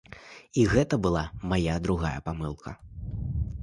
І гэта была мая другая памылка.